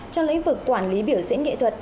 trong lĩnh vực quản lý biểu diễn nghệ thuật